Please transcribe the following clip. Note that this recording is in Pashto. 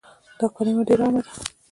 دا کلمه ډيره عامه ده